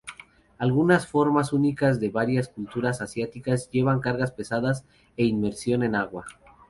Algunas formas únicas de varias culturas asiáticas llevan cargas pesadas e inmersión en agua.